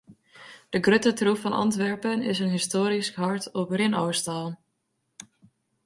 De grutte troef fan Antwerpen is in histoarysk hart op rinôfstân.